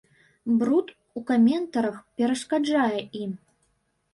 Бруд у каментарах перашкаджае ім.